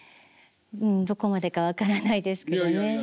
うんどこまでか分からないですけどね。